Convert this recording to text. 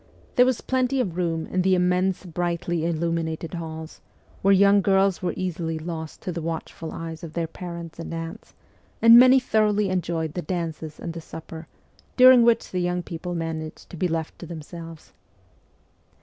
There was plenty of room in the immense brightly illuminated halls, where young girls were easily lost to the watchful eyes of their parents and aunts, and many thoroughly enjoyed the dances and the supper, during which the young people managed to be left to themselves.